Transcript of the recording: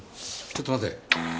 ちょっと待て！